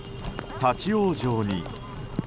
立ち往生に。